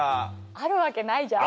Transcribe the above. あるわけないじゃん。